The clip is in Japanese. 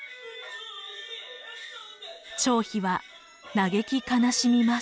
張飛は嘆き悲しみます。